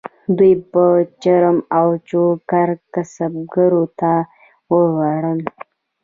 دوی به چرم او ټوکر کسبګرو ته ووړل.